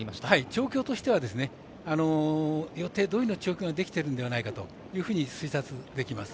調教としては予定どおりの調教ができているのではないかと推察できます。